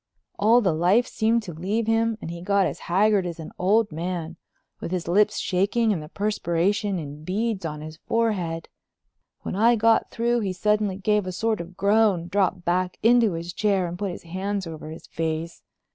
All the life seemed to leave him and he got as haggard as an old man, with his lips shaking and the perspiration in beads on his forehead. When I got through he suddenly gave a sort of groan, dropped back into his chair and put his hands over his face.